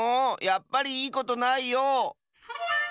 やっぱりいいことないよ！